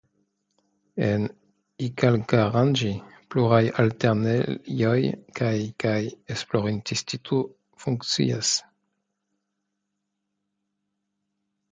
En Icalkaranĝi pluraj altlernejoj kaj kaj esplorinstituto funkcias.